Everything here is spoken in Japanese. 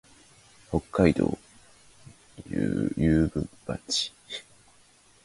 北海道雄武町